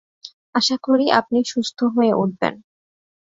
আশা করি আপনি আরও সুস্থ হয়ে উঠবেন।